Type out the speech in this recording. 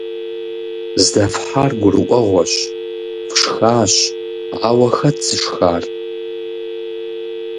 Здэфхьар гурыӀуэгъуэщ – фшхащ, ауэ хэт зышхар?